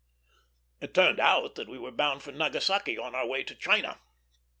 It turned out that we were bound to Nagasaki, on our way to China.